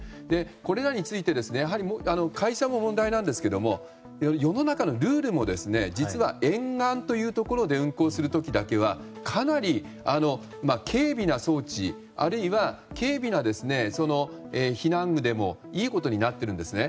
これらについて会社も問題なんですが世の中のルールも実は沿岸というところで運航する時だけはかなり軽微な装置あるいは軽微な避難具でもいいことになっているんですね。